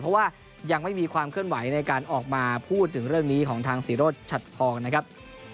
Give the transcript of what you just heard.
เพราะว่ายังไม่มีความเคลื่อนไหวในการออกมาพูดถึงเรื่องนี้ของทางศิโรธชัดทองนะครับ